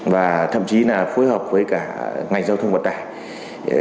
và thậm chí là phối hợp với cả ngành giao thông vận tải